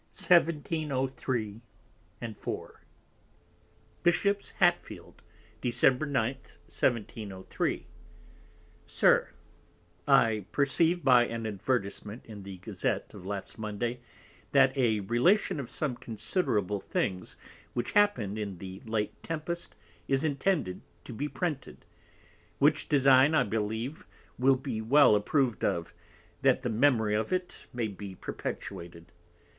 John Matthews. Bishop's Hatfield, Decem. 9. 1703. SIR, I perceive by an Advertisement in the Gazette of last Monday, that a Relation of some considerable Things which happened in the late Tempest is intended to be printed, which design I believe will be well approved of, that the Memory of it may be perpetuated.